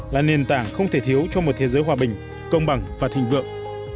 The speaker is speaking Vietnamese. là nền tảng không thể thiếu cho một thế giới hòa bình công bằng và thịnh vượng